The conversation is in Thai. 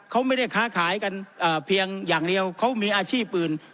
เขาไม่ได้ค้าขายกันเพียงอย่างเดียวเขามีอาชีพอื่น